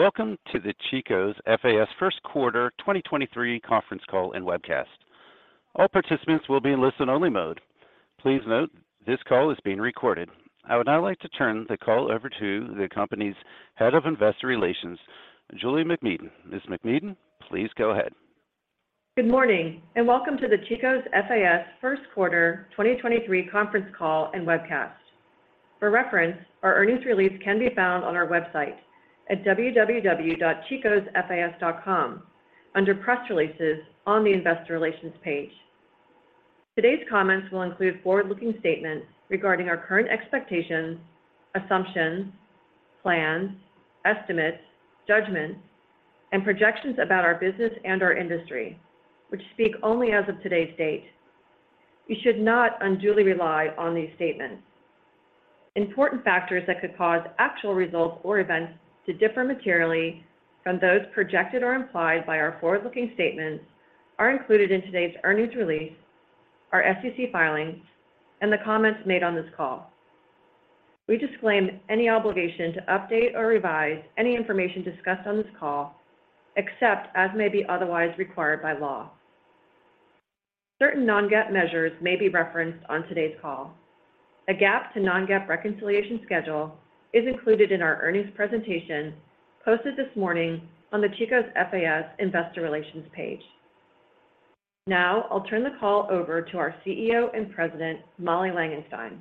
Welcome to the Chico's FAS Q1 2023 Conference Call and Webcast. All participants will be in listen-only mode. Please note, this call is being recorded. I would now like to turn the call over to the company's Head of Investor Relations, Julie MacMedan. Ms. MacMedan, please go ahead. Good morning. Welcome to the Chico's FAS Q1 2023 Conference Call and Webcast. For reference, our earnings release can be found on our website at www.chicosfas.com under Press Releases on the Investor Relations page. Today's comments will include forward-looking statements regarding our current expectations, assumptions, plans, estimates, judgments, and projections about our business and our industry, which speak only as of today's date. You should not unduly rely on these statements. Important factors that could cause actual results or events to differ materially from those projected or implied by our forward-looking statements are included in today's earnings release, our SEC filings, and the comments made on this call. We disclaim any obligation to update or revise any information discussed on this call, except as may be otherwise required by law. Certain non-GAAP measures may be referenced on today's call. A GAAP to non-GAAP reconciliation schedule is included in our earnings presentation posted this morning on the Chico's FAS Investor Relations page. I'll turn the call over to our CEO and President, Molly Langenstein.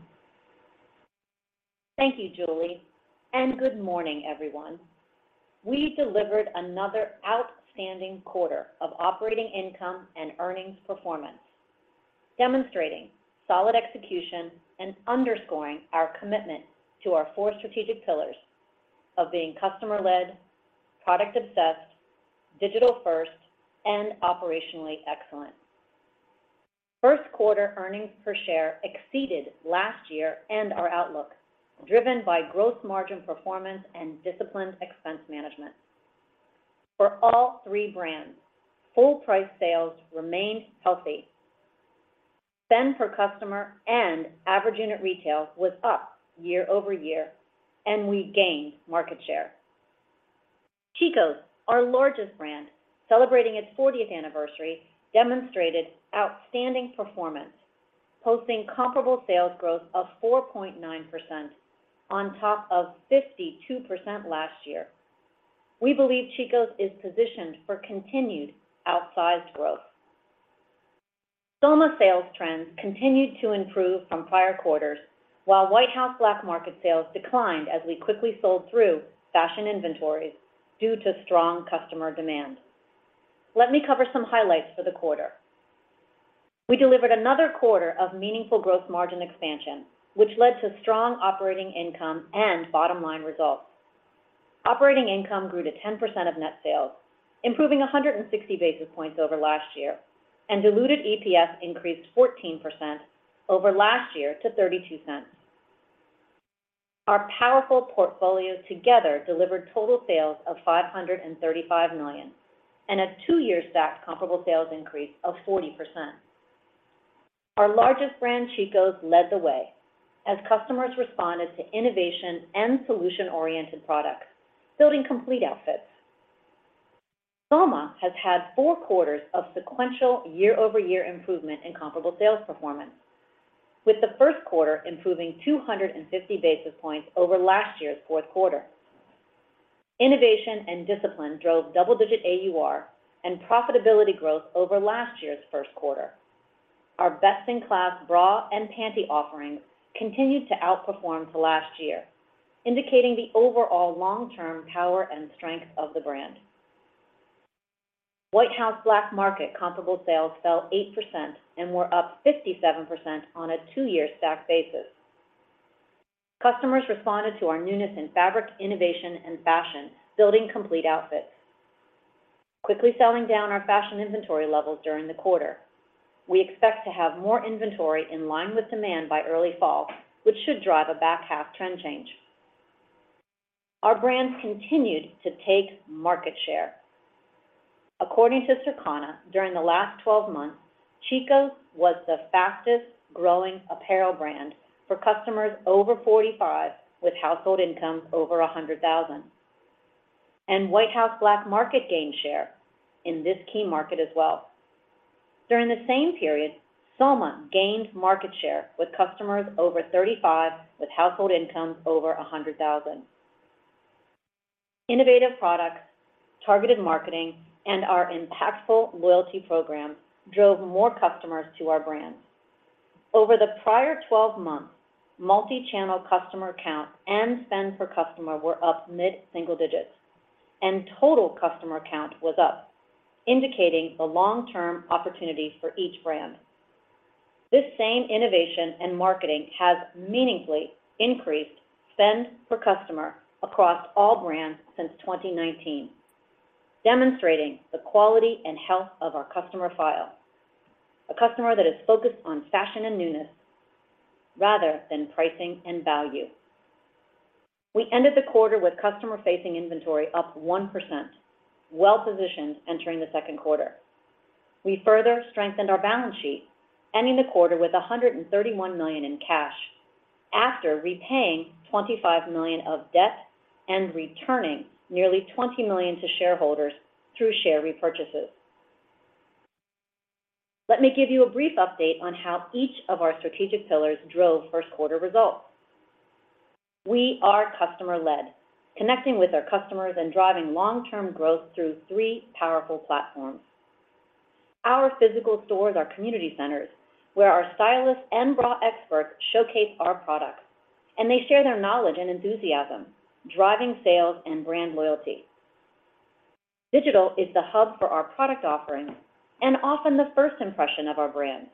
Thank you, Julie. Good morning, everyone. We delivered another outstanding quarter of operating income and earnings performance, demonstrating solid execution and underscoring our commitment to our four strategic pillars of being customer-led, product-obsessed, digital-first, and operationally excellent. Q1 earnings per share exceeded last year and our outlook, driven by gross margin performance and disciplined expense management. For all three brands, full price sales remained healthy. Spend per customer and average unit retail was up year-over-year, and we gained market share. Chico's, our largest brand, celebrating its fortieth anniversary, demonstrated outstanding performance, posting comparable sales growth of 4.9% on top of 52% last year. We believe Chico's is positioned for continued outsized growth. Soma sales trends continued to improve from prior quarters, while White House Black Market sales declined as we quickly sold through fashion inventories due to strong customer demand. Let me cover some highlights for the quarter. We delivered another quarter of meaningful growth margin expansion, which led to strong operating income and bottom-line results. Operating income grew to 10% of net sales, improving 160 basis points over last year, and diluted EPS increased 14% over last year to $0.32. Our powerful portfolio together delivered total sales of $535 million and a two-year stacked comparable sales increase of 40%. Our largest brand, Chico's, led the way as customers responded to innovation and solution-oriented products, building complete outfits. Soma has had four quarters of sequential year-over-year improvement in comparable sales performance, with Q1 improving 250 basis points over last year's Q4. Innovation and discipline drove double-digit AUR and profitability growth over last year's Q1. Our best-in-class bra and panty offerings continued to outperform to last year, indicating the overall long-term power and strength of the brand. White House Black Market comparable sales fell 8% and were up 57% on a two-year stack basis. Customers responded to our newness in fabric, innovation, and fashion, building complete outfits, quickly selling down our fashion inventory levels during the quarter. We expect to have more inventory in line with demand by early fall, which should drive a back half trend change. Our brands continued to take market share. According to Circana, during the last 12 months, Chico's was the fastest-growing apparel brand for customers over 45, with household incomes over $100,000. White House Black Market gained share in this key market as well. During the same period, Soma gained market share with customers over 35, with household incomes over $100,000. Innovative products, targeted marketing, and our impactful loyalty program drove more customers to our brands. Over the prior 12 months, multi-channel customer count and spend per customer were up mid-single digits, and total customer count was up, indicating the long-term opportunity for each brand. This same innovation and marketing has meaningfully increased spend per customer across all brands since 2019, demonstrating the quality and health of our customer file, a customer that is focused on fashion and newness rather than pricing and value. We ended the quarter with customer-facing inventory up 1%, well-positioned entering the Q2. We further strengthened our balance sheet, ending the quarter with $131 million in cash, after repaying $25 million of debt and returning nearly $20 million to shareholders through share repurchases. Let me give you a brief update on how each of our strategic pillars drove Q1 results. We are customer-led, connecting with our customers and driving long-term growth through three powerful platforms. Our physical stores are community centers, where our stylists and bra experts showcase our products, and they share their knowledge and enthusiasm, driving sales and brand loyalty. Digital is the hub for our product offerings and often the first impression of our brands.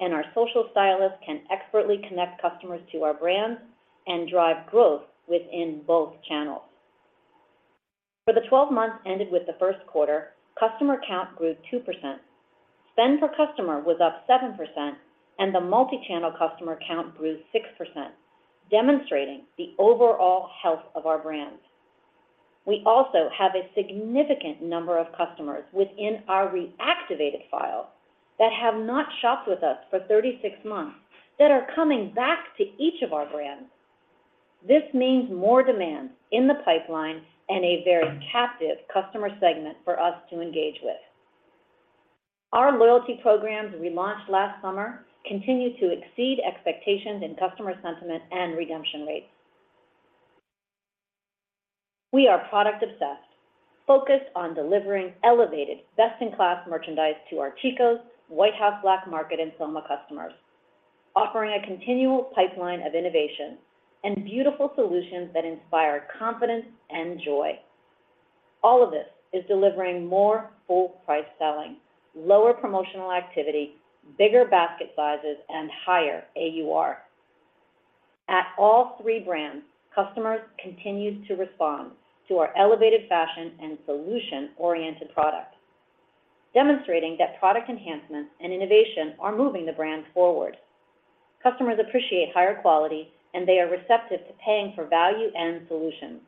Our social stylists can expertly connect customers to our brands and drive growth within both channels. For the 12 months ended with the Q1, customer count grew 2%. Spend per customer was up 7%, and the multi-channel customer count grew 6%, demonstrating the overall health of our brands. \We also have a significant number of customers within our reactivated file that have not shopped with us for 36 months, that are coming back to each of our brands. This means more demand in the pipeline and a very captive customer segment for us to engage with. Our loyalty programs, relaunched last summer, continue to exceed expectations in customer sentiment and redemption rates. We are product obsessed, focused on delivering elevated, best-in-class merchandise to our Chico's, White House Black Market, and Soma customers, offering a continual pipeline of innovation and beautiful solutions that inspire confidence and joy. All of this is delivering more full price selling, lower promotional activity, bigger basket sizes, and higher AUR. At all three brands, customers continued to respond to our elevated fashion and solution-oriented product, demonstrating that product enhancements and innovation are moving the brand forward. Customers appreciate higher quality, and they are receptive to paying for value and solutions.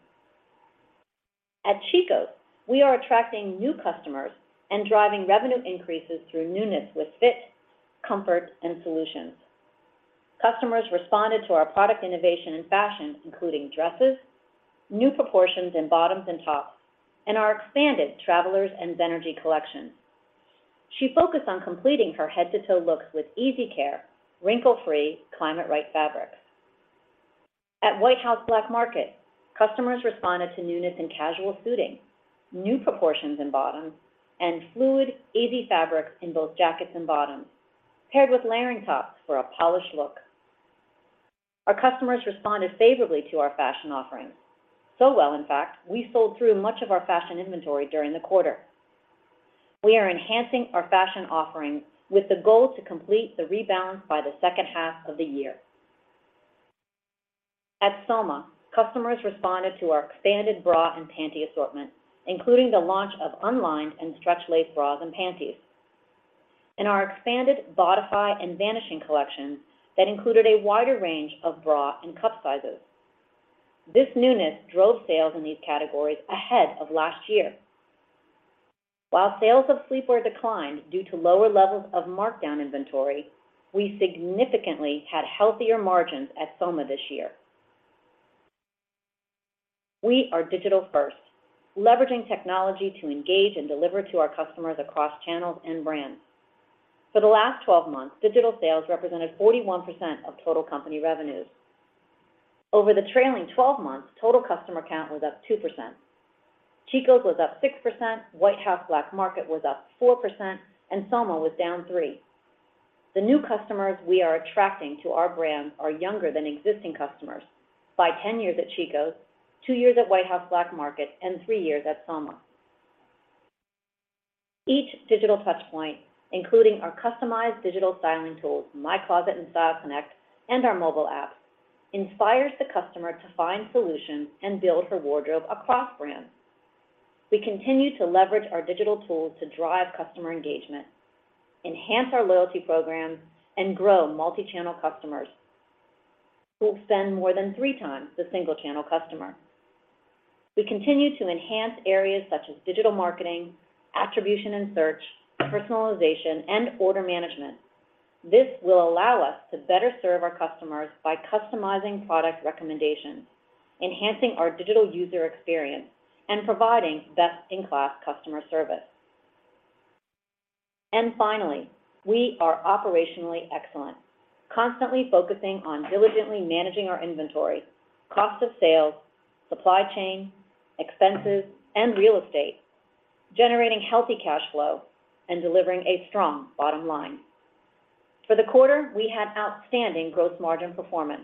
At Chico's, we are attracting new customers and driving revenue increases through newness with fit, comfort, and solutions. Customers responded to our product innovation and fashion, including dresses, new proportions in bottoms and tops, and our expanded Travelers and Zenergy collections. She focused on completing her head-to-toe looks with easy care, wrinkle-free, climate right fabrics. At White House Black Market, customers responded to newness in casual suiting, new proportions in bottoms, and fluid, easy fabrics in both jackets and bottoms, paired with layering tops for a polished look. Our customers responded favorably to our fashion offerings. Well, in fact, we sold through much of our fashion inventory during the quarter. We are enhancing our fashion offerings with the goal to complete the rebalance by the second half of the year. At Soma, customers responded to our expanded bra and panty assortment, including the launch of unlined and stretch lace bras and panties, and our expanded Bodify and Vanishing collection that included a wider range of bra and cup sizes. This newness drove sales in these categories ahead of last year. While sales of sleepwear declined due to lower levels of markdown inventory, we significantly had healthier margins at Soma this year. We are digital first, leveraging technology to engage and deliver to our customers across channels and brands. For the last 12 months, digital sales represented 41% of total company revenues. Over the trailing 12 months, total customer count was up 2%. Chico's was up 6%, White House Black Market was up 4%, and Soma was down 3%. The new customers we are attracting to our brands are younger than existing customers by 10 years at Chico's, 2 years at White House Black Market, and 3 years at Soma. Each digital touch point, including our customized digital styling tools, My Closet and Style Connect, and our mobile app, inspires the customer to find solutions and build her wardrobe across brands. We continue to leverage our digital tools to drive customer engagement, enhance our loyalty programs, and grow multi-channel customers who will spend more than 3 times the single channel customer. We continue to enhance areas such as digital marketing, attribution and search, personalization, and order management. This will allow us to better serve our customers by customizing product recommendations, enhancing our digital user experience, and providing best-in-class customer service. Finally, we are operationally excellent, constantly focusing on diligently managing our inventory, cost of sales, supply chain, expenses, and real estate, generating healthy cash flow and delivering a strong bottom line. For the quarter, we had outstanding gross margin performance,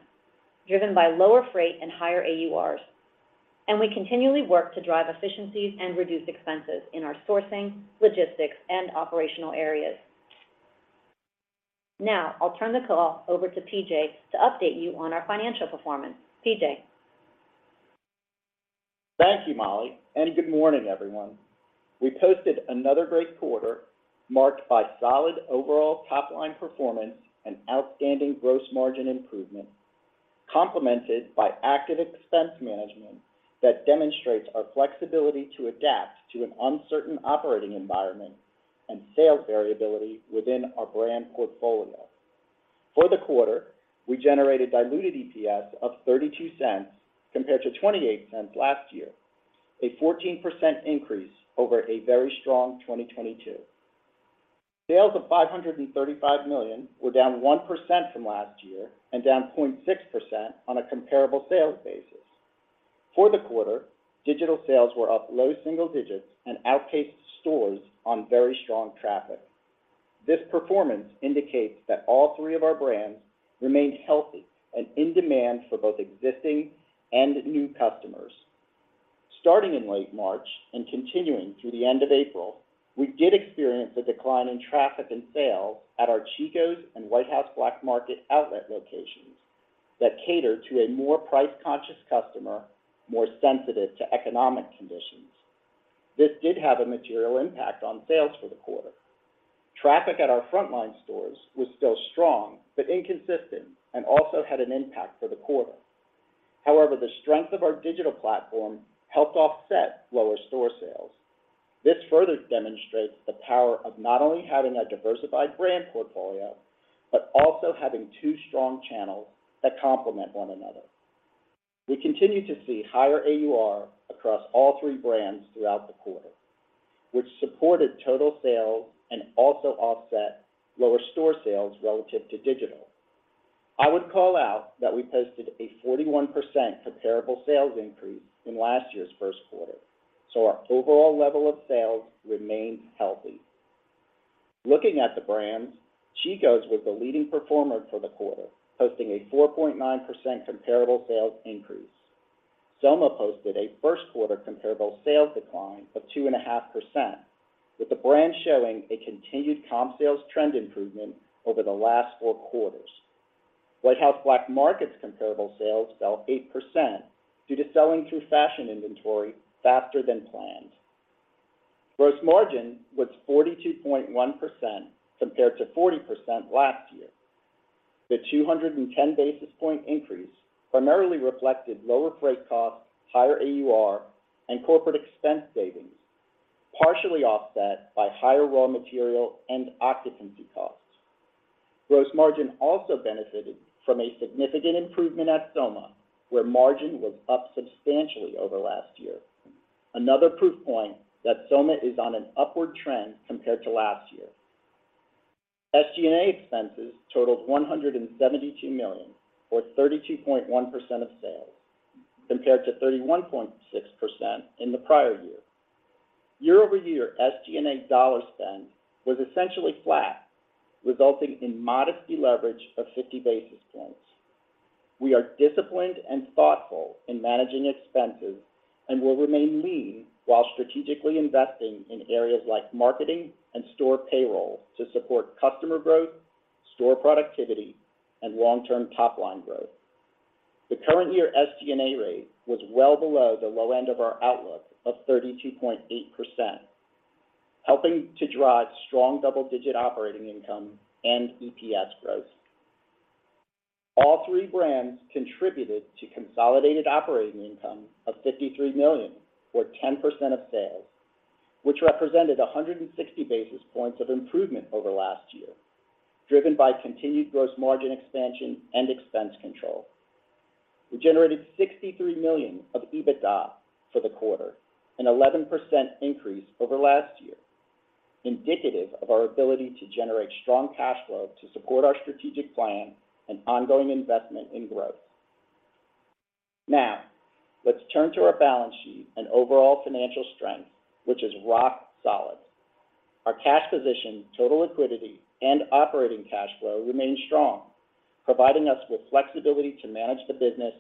driven by lower freight and higher AURs, and we continually work to drive efficiencies and reduce expenses in our sourcing, logistics, and operational areas. Now, I'll turn the call over to PJ to update you on our financial performance. PJ? Thank you, Molly, and good morning, everyone. We posted another great quarter marked by solid overall top-line performance and outstanding gross margin improvement. complemented by active expense management that demonstrates our flexibility to adapt to an uncertain operating environment and sales variability within our brand portfolio. For the quarter, we generated diluted EPS of $0.32, compared to $0.28 last year, a 14% increase over a very strong 2022. Sales of $535 million were down 1% from last year and down 0.6% on a comparable sales basis. For the quarter, digital sales were up low single digits and outpaced stores on very strong traffic. This performance indicates that all three of our brands remain healthy and in demand for both existing and new customers. Starting in late March and continuing through the end of April, we did experience a decline in traffic and sales at our Chico's and White House Black Market outlet locations that cater to a more price-conscious customer, more sensitive to economic conditions. This did have a material impact on sales for the quarter. Traffic at our frontline stores was still strong, but inconsistent and also had an impact for the quarter. However, the strength of our digital platform helped offset lower store sales. This further demonstrates the power of not only having a diversified brand portfolio, but also having two strong channels that complement one another. We continue to see higher AUR across all three brands throughout the quarter, which supported total sales and also offset lower store sales relative to digital. I would call out that we posted a 41% comparable sales increase in last year's Q1, so our overall level of sales remains healthy. Looking at the brands, Chico's was the leading performer for the quarter, posting a 4.9% comparable sales increase. Soma posted a Q1 comparable sales decline of 2.5%, with the brand showing a continued comp sales trend improvement over the last four quarters. White House Black Market's comparable sales fell 8% due to selling through fashion inventory faster than planned. Gross margin was 42.1%, compared to 40% last year. The 210 basis point increase primarily reflected lower freight costs, higher AUR, and corporate expense savings, partially offset by higher raw material and occupancy costs. Gross margin also benefited from a significant improvement at Soma, where margin was up substantially over last year. Another proof point that Soma is on an upward trend compared to last year. SG&A expenses totaled $172 million, or 32.1% of sales, compared to 31.6% in the prior year. Year-over-year SG&A dollar spend was essentially flat, resulting in modest deleverage of 50 basis points. We are disciplined and thoughtful in managing expenses and will remain lean while strategically investing in areas like marketing and store payroll to support customer growth, store productivity, and long-term top-line growth. The current year SG&A rate was well below the low end of our outlook of 32.8%, helping to drive strong double-digit operating income and EPS growth. All three brands contributed to consolidated operating income of $53 million, or 10% of sales, which represented 160 basis points of improvement over last year, driven by continued gross margin expansion and expense control. We generated $63 million of EBITDA for the quarter, an 11% increase over last year, indicative of our ability to generate strong cash flow to support our strategic plan and ongoing investment in growth. Let's turn to our balance sheet and overall financial strength, which is rock solid. Our cash position, total liquidity, and operating cash flow remain strong, providing us with flexibility to manage the business,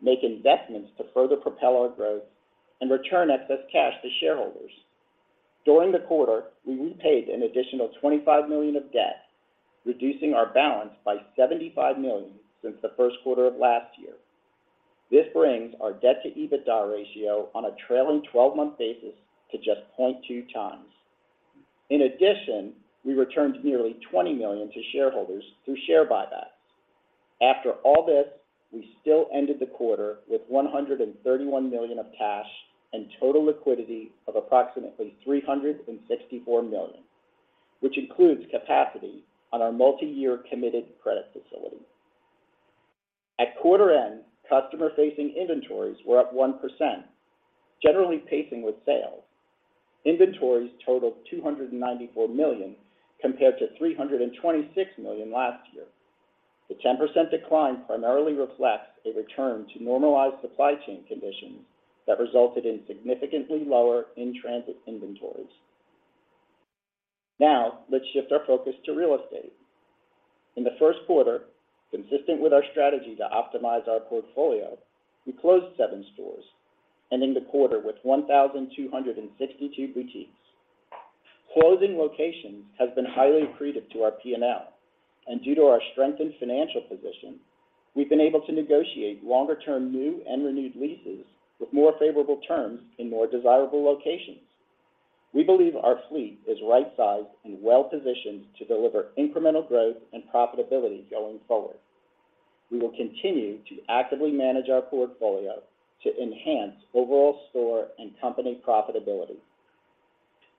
make investments to further propel our growth, and return excess cash to shareholders. During the quarter, we repaid an additional $25 million of debt, reducing our balance by $75 million since the Q1 of last year. This brings our debt to EBITDA ratio on a trailing twelve-month basis to just 0.2 times. We returned nearly $20 million to shareholders through share buybacks. After all this, we still ended the quarter with $131 million of cash and total liquidity of approximately $364 million, which includes capacity on our multi-year committed credit facility. At quarter end, customer-facing inventories were up 1%, generally pacing with sales. Inventories totaled $294 million, compared to $326 million last year. The 10% decline primarily reflects a return to normalized supply chain conditions that resulted in significantly lower in-transit inventories. Let's shift our focus to real estate. In the Q1, consistent with our strategy to optimize our portfolio, we closed 7 stores, ending the quarter with 1,262 boutiques. Closing locations has been highly accretive to our P&L, and due to our strengthened financial position, we've been able to negotiate longer-term, new and renewed leases with more favorable terms in more desirable locations. We believe our fleet is right-sized and well-positioned to deliver incremental growth and profitability going forward. We will continue to actively manage our portfolio to enhance overall store and company profitability.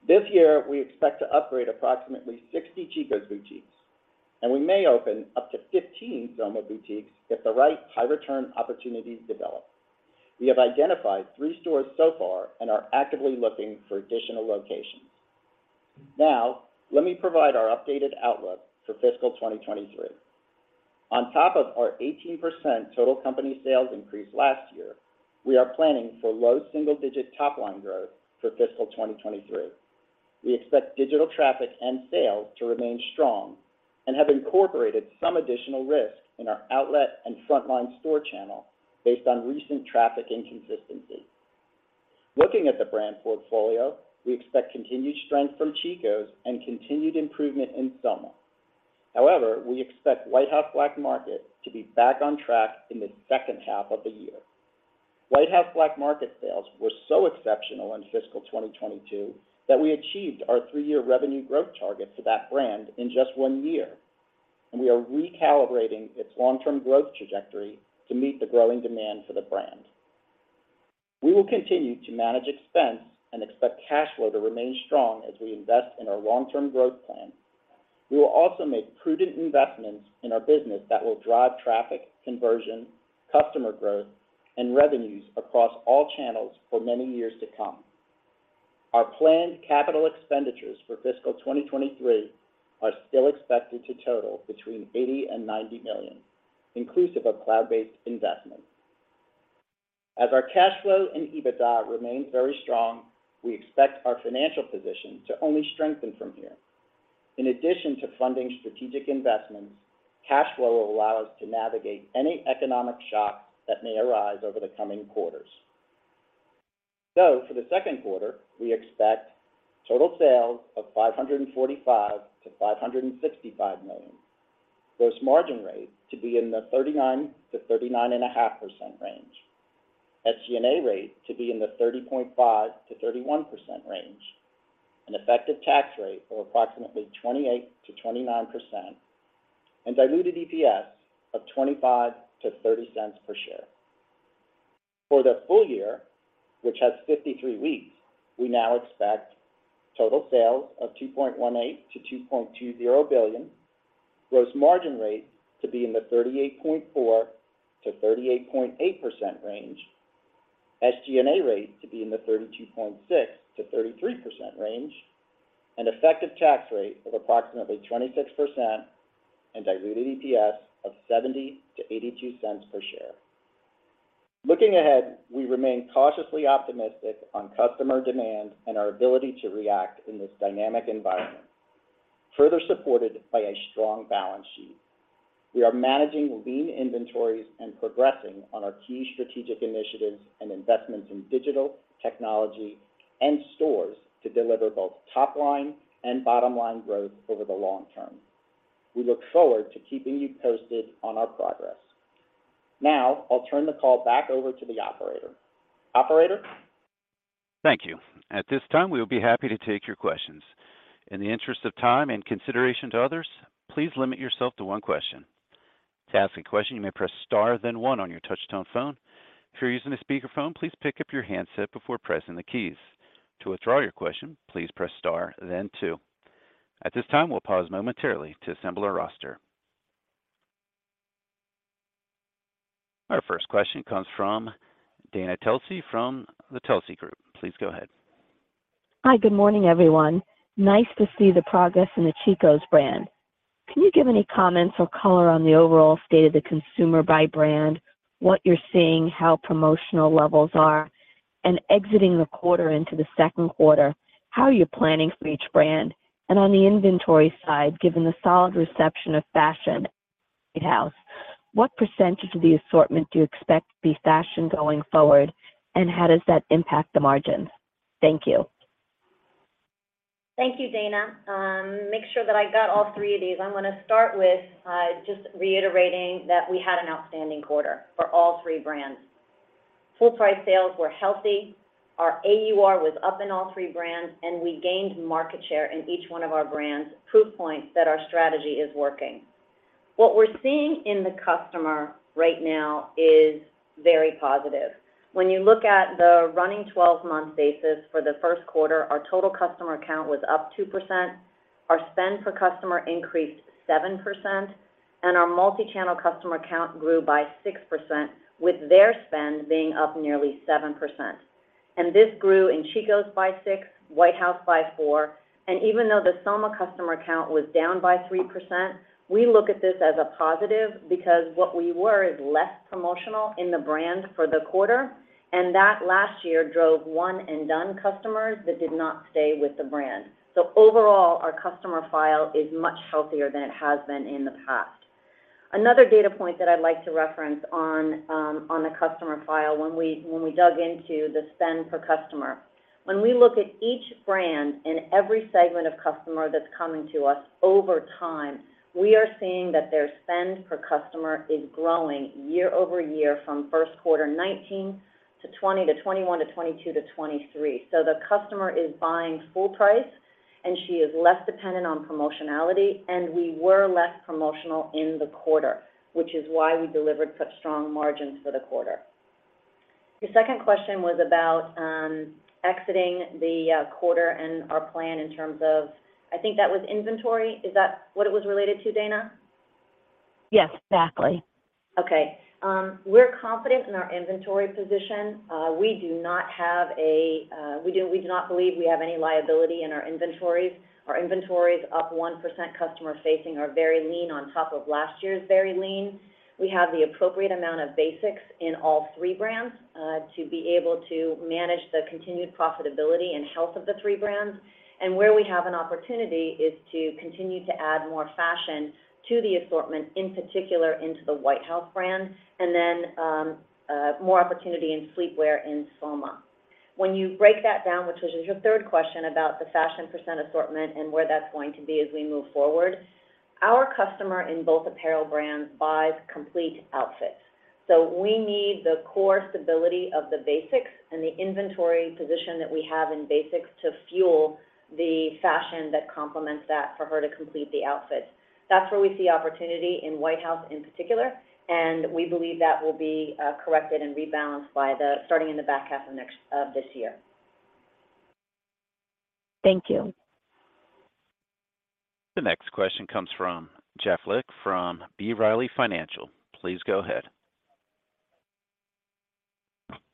This year, we expect to upgrade approximately 60 Chico's boutiques, and we may open up to 15 Soma boutiques if the right high-return opportunities develop. We have identified 3 stores so far and are actively looking for additional locations. Let me provide our updated outlook for fiscal 2023. On top of our 18% total company sales increase last year, we are planning for low single-digit top-line growth for fiscal 2023. We expect digital traffic and sales to remain strong and have incorporated some additional risk in our outlet and frontline store channel based on recent traffic inconsistencies. Looking at the brand portfolio, we expect continued strength from Chico's and continued improvement in Soma. We expect White House Black Market to be back on track in the second half of the year. White House Black Market sales were so exceptional in fiscal 2022 that we achieved our three-year revenue growth target for that brand in just 1 year, and we are recalibrating its long-term growth trajectory to meet the growing demand for the brand. We will continue to manage expense and expect cash flow to remain strong as we invest in our long-term growth plan. We will also make prudent investments in our business that will drive traffic, conversion, customer growth, and revenues across all channels for many years to come. Our planned capital expenditures for fiscal 2023 are still expected to total between $80 million and $90 million, inclusive of cloud-based investments. As our cash flow and EBITDA remains very strong, we expect our financial position to only strengthen from here. In addition to funding strategic investments, cash flow will allow us to navigate any economic shocks that may arise over the coming quarters. For the Q2, we expect total sales of $545 million-$565 million. Gross margin rate to be in the 39%-39.5% range. SG&A rate to be in the 30.5%-31% range. An effective tax rate of approximately 28%-29%, and diluted EPS of $0.25-$0.30 per share. For the full year, which has 53 weeks, we now expect total sales of $2.18 billion-$2.20 billion. Gross margin rate to be in the 38.4%-38.8% range. SG&A rate to be in the 32.6%-33% range, an effective tax rate of approximately 26%, and diluted EPS of $0.70-$0.82 per share. Looking ahead, we remain cautiously optimistic on customer demand and our ability to react in this dynamic environment, further supported by a strong balance sheet. We are managing lean inventories and progressing on our key strategic initiatives and investments in digital, technology, and stores to deliver both top line and bottom line growth over the long term. We look forward to keeping you posted on our progress. I'll turn the call back over to the operator. Operator? Thank you. At this time, we will be happy to take your questions. In the interest of time and consideration to others, please limit yourself to one question. To ask a question, you may press star, then one on your touchtone phone. If you're using a speakerphone, please pick up your handset before pressing the keys. To withdraw your question, please press star then two. At this time, we'll pause momentarily to assemble our roster. Our first question comes from Dana Telsey from the Telsey Group. Please go ahead. Hi, good morning, everyone. Nice to see the progress in the Chico's brand. Can you give any comments or color on the overall state of the consumer by brand? What you're seeing, how promotional levels are, and exiting the quarter into the Q2, how are you planning for each brand? On the inventory side, given the solid reception of fashion at White House, what % of the assortment do you expect to be fashion going forward, and how does that impact the margin? Thank you. Thank you, Dana. Make sure that I got all three of these. I'm gonna start with just reiterating that we had an outstanding quarter for all three brands. Full price sales were healthy, our AUR was up in all three brands, and we gained market share in each one of our brands, proof points that our strategy is working. What we're seeing in the customer right now is very positive. When you look at the running 12-month basis for the Q1, our total customer count was up 2%, our spend per customer increased 7%, and our multi-channel customer count grew by 6%, with their spend being up nearly 7%. This grew in Chico's by 6, White House by 4, and even though the Soma customer count was down by 3%, we look at this as a positive, because what we were is less promotional in the brand for the quarter, and that last year drove one-and-done customers that did not stay with the brand. Overall, our customer file is much healthier than it has been in the past. Another data point that I'd like to reference on the customer file, when we dug into the spend per customer. When we look at each brand in every segment of customer that's coming to us over time, we are seeing that their spend per customer is growing year-over-year from Q1 2019 to 2020, to 2021, to 2022, to 2023. The customer is buying full price. She is less dependent on promotionality, and we were less promotional in the quarter, which is why we delivered such strong margins for the quarter. Your second question was about, exiting the quarter and our plan in terms of, I think that was inventory. Is that what it was related to, Dana? Yes, exactly. Okay. We're confident in our inventory position. We do not believe we have any liability in our inventories. Our inventories, up 1%, customer-facing, are very lean on top of last year's very lean. We have the appropriate amount of basics in all 3 brands to be able to manage the continued profitability and health of the 3 brands. Where we have an opportunity is to continue to add more fashion to the assortment, in particular, into the White House brand, more opportunity in sleepwear in Soma. When you break that down, which was your 3rd question about the fashion % assortment and where that's going to be as we move forward, our customer in both apparel brands buys complete outfits. We need the core stability of the basics and the inventory position that we have in basics to fuel the fashion that complements that for her to complete the outfit. That's where we see opportunity in White House, in particular, and we believe that will be corrected and rebalanced starting in the back half of this year. Thank you. The next question comes from Jeff Lick from B. Riley Financial. Please go ahead.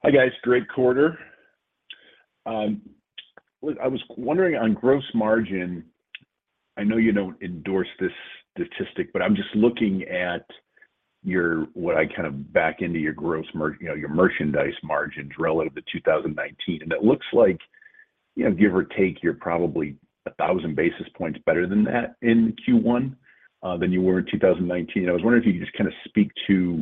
Hi, guys. Great quarter. look, I was wondering on gross margin, I know you don't endorse this statistic, but I'm just looking at your what I kind of back into your gross margin, you know, your merchandise margins relative to 2019, and it looks like, you know, give or take, you're probably 1,000 basis points better than that in Q1 than you were in 2019. I was wondering if you could just kinda speak to,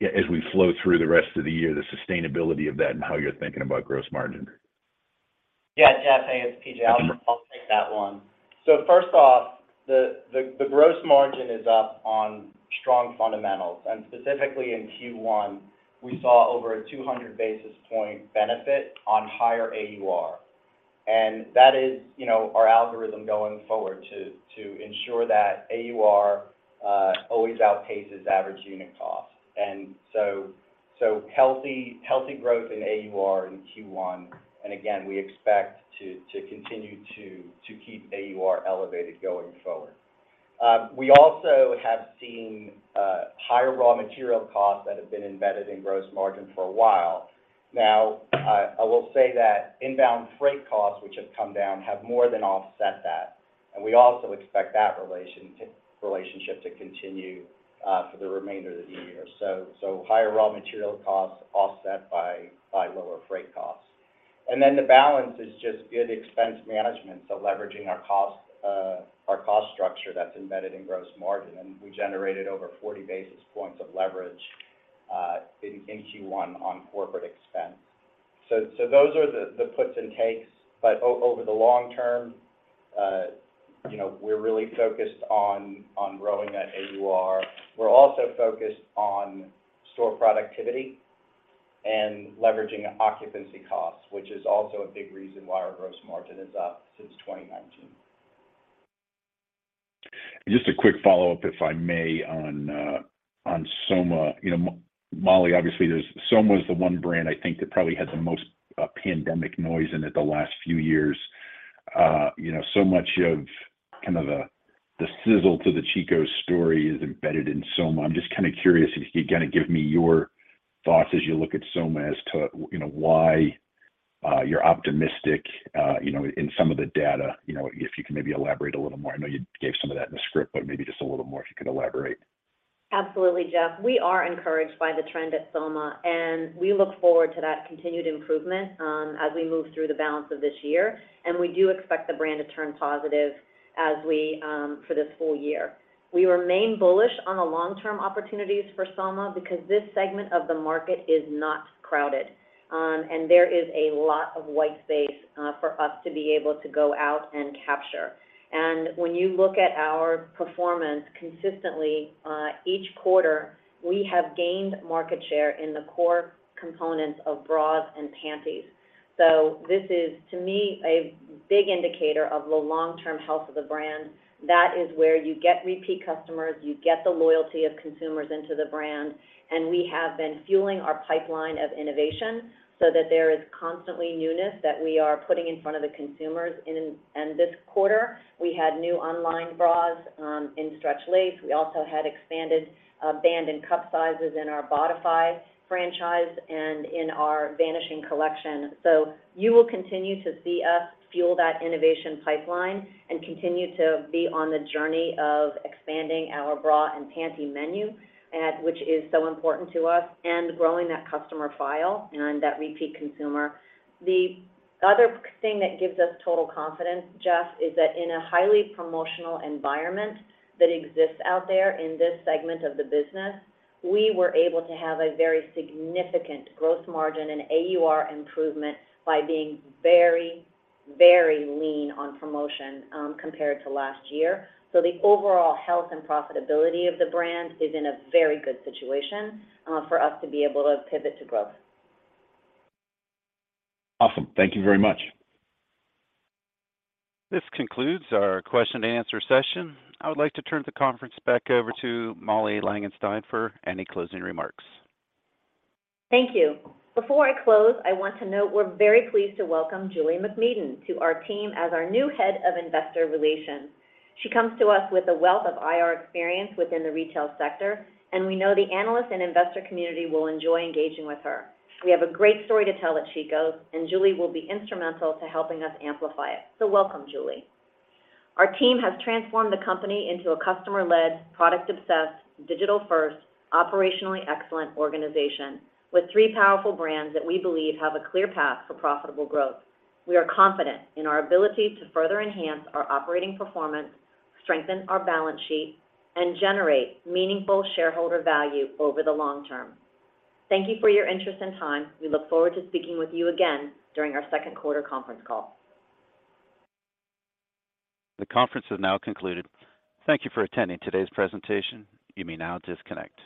yeah, as we flow through the rest of the year, the sustainability of that and how you're thinking about gross margin? Yeah, Jeff, hey, it's PJ. Sure. I'll take that one. First off, the gross margin is up on strong fundamentals, and specifically in Q1, we saw over a 200 basis point benefit on higher AUR. That is, you know, our algorithm going forward to ensure that AUR always outpaces average unit cost. Healthy growth in AUR in Q1, and again, we expect to continue to keep AUR elevated going forward. We also have seen higher raw material costs that have been embedded in gross margin for a while. Now, I will say that inbound freight costs, which have come down, have more than offset that, and we also expect that relationship to continue for the remainder of the year. Higher raw material costs offset by lower freight costs. The balance is just good expense management, so leveraging our cost, our cost structure that's embedded in gross margin, and we generated over 40 basis points of leverage in Q1 on corporate expense. Those are the puts and takes, but over the long term, you know, we're really focused on growing that AUR. We're also focused on store productivity and leveraging occupancy costs, which is also a big reason why our gross margin is up since 2019. Just a quick follow-up, if I may, on Soma. You know, Molly, obviously, Soma is the one brand I think that probably had the most, pandemic noise in it the last few years. You know, so much of kind of the sizzle to the Chico's story is embedded in Soma. I'm just kinda curious if you can kinda give me your thoughts as you look at Soma as to, you know, why, you're optimistic, you know, in some of the data. You know, if you can maybe elaborate a little more. I know you gave some of that in the script. Maybe just a little more, if you could elaborate. Absolutely, Jeff. We are encouraged by the trend at Soma, and we look forward to that continued improvement as we move through the balance of this year. We do expect the brand to turn positive as we for this full year. We remain bullish on the long-term opportunities for Soma because this segment of the market is not crowded, and there is a lot of white space for us to be able to go out and capture. When you look at our performance consistently, each quarter, we have gained market share in the core components of bras and panties. This is, to me, a big indicator of the long-term health of the brand. That is where you get repeat customers, you get the loyalty of consumers into the brand. We have been fueling our pipeline of innovation so that there is constantly newness that we are putting in front of the consumers. This quarter, we had new online bras in stretch lace. We also had expanded band and cup sizes in our Bodify franchise and in our Vanishing collection. You will continue to see us fuel that innovation pipeline and continue to be on the journey of expanding our bra and panty menu, which is so important to us, and growing that customer file and that repeat consumer. The other thing that gives us total confidence, Jeff, is that in a highly promotional environment that exists out there in this segment of the business, we were able to have a very significant gross margin and AUR improvement by being very, very lean on promotion, compared to last year. The overall health and profitability of the brand is in a very good situation, for us to be able to pivot to growth. Awesome. Thank you very much. This concludes our question and answer session. I would like to turn the conference back over to Molly Langenstein for any closing remarks. Thank you. Before I close, I want to note we're very pleased to welcome Julie MacMedan to our team as our new Head of Investor Relations. She comes to us with a wealth of IR experience within the retail sector, and we know the analyst and investor community will enjoy engaging with her. We have a great story to tell at Chico's, and Julie will be instrumental to helping us amplify it. Welcome, Julie. Our team has transformed the company into a customer-led, product-obsessed, digital-first, operationally excellent organization with three powerful brands that we believe have a clear path for profitable growth. We are confident in our ability to further enhance our operating performance, strengthen our balance sheet, and generate meaningful shareholder value over the long term. Thank you for your interest and time. We look forward to speaking with you again during our Q2 conference call. The conference has now concluded. Thank you for attending today's presentation. You may now disconnect.